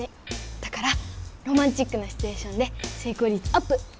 だからロマンチックなシチュエーションでせいこうりつアップ！